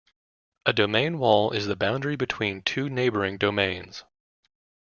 A domain wall is the boundary between two neighboring domains.